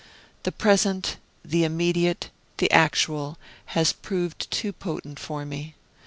The Present, the Immediate, the Actual, has proved too potent for me.